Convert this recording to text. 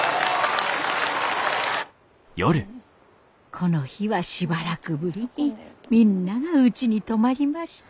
この日はしばらくぶりにみんながうちに泊まりました。